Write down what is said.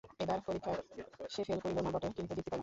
এবার পরীক্ষায় সে ফেল করিল না বটে কিন্তু বৃত্তি পাইল না।